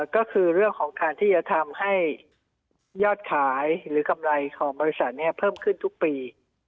ก็คือเรื่องของการที่จะทำให้ยอดขายหรือกำไรของบริษัทเพิ่มขึ้นทุกปี